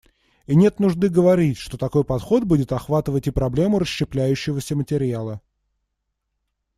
И нет нужды говорить, что такой подход будет охватывать и проблему расщепляющегося материала.